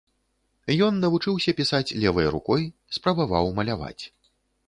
Ён навучыўся пісаць левай рукой, спрабаваў маляваць.